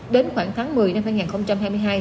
đến khoảng tháng một mươi năm hai nghìn hai mươi hai